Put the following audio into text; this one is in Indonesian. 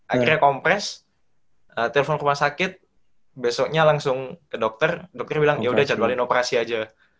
akhirnya kompres telepon ke rumah sakit besoknya langsung ke dokter dokter bilang yaudah jadwalin operasi aja